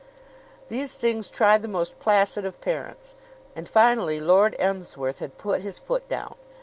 These things try the most placid of parents; and finally Lord Emsworth had put his foot down.